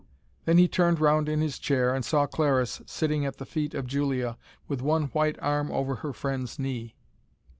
Then he turned round in his chair, and saw Clariss sitting at the feet of Julia, with one white arm over her friend's knee.